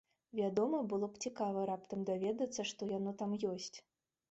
Вядома, было б цікава раптам даведацца, што яно там ёсць.